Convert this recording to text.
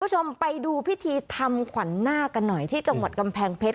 คุณผู้ชมไปดูพิธีทำขวัญนาคกันหน่อยที่จังหวัดกำแพงเพชร